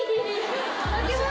開けます。